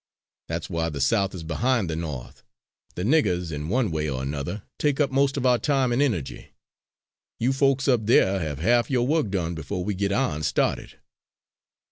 That's why the South is behind the No'th. The niggers, in one way or another, take up most of our time and energy. You folks up there have half your work done before we get our'n started."